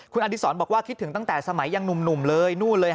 คุณอดิษรบอกว่าคิดถึงตั้งแต่สมัยยังหนุ่มเลยนู่นเลย